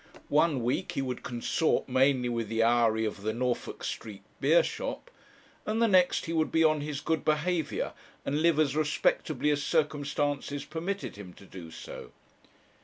One week he would consort mainly with the houri of the Norfolk Street beer shop, and the next he would be on his good behaviour, and live as respectably as circumstances permitted him to do.